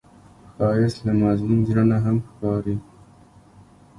ښایست له مظلوم زړه نه هم ښکاري